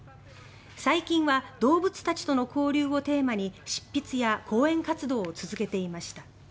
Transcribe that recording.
最近は動物たちとの交流をテーマに執筆や講演活動を続けていました。